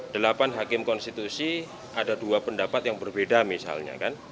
delapan hakim konstitusi ada dua pendapat yang berbeda misalnya kan